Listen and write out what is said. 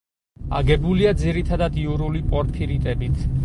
აგებულია ძირითადად იურული პორფირიტებით.